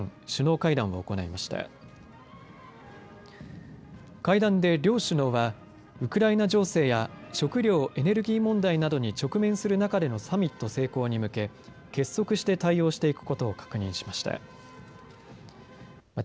会談で両首脳はウクライナ情勢や食料・エネルギー問題などに直面する中でのサミット成功に向け結束して対応していくことを確認しました。